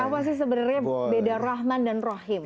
apa sih sebenarnya beda rahman dan rahim